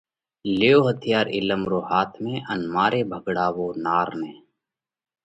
ليو هٿيار عِلم رو هاٿ ۾ ان ماري ڀڳڙاوو نار نئہ!